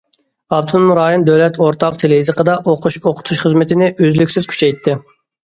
ئاپتونوم رايون دۆلەت ئورتاق تىل- يېزىقىدا ئوقۇش- ئوقۇتۇش خىزمىتىنى ئۈزلۈكسىز كۈچەيتتى.